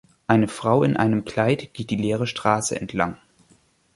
Eine Frau in einem Kleid geht die leere Straße entlang.